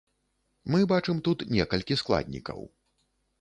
Мы бачым тут некалькі складнікаў.